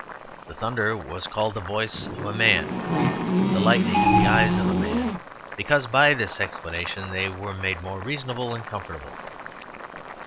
The thunder was called the voice of a man, the lightning the eyes of a man, because by this explanation they were made more reasonable and comfortable.